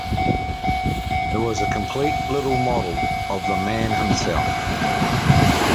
It was a complete little model of the man himself.